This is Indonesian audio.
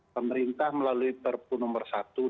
pemerintah melalui perpun nomor satu dua ribu dua puluh